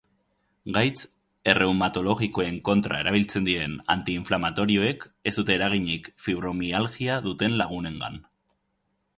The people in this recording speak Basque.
Gaitz erreumatologikoen kontra erabiltzen diren antiinflamatorioek ez dute eraginik fibromialgia duten lagunengan.